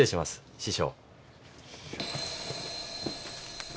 師匠。